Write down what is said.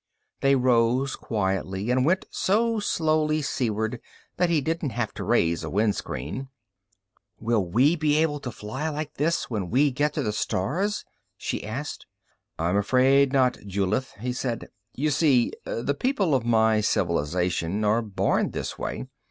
They rose quietly, and went so slowly seaward that he didn't have to raise a wind screen. "Will we be able to fly like this when we get to the stars?" she asked. "I'm afraid not, Julith," he said. "You see, the people of my civilization are born this way.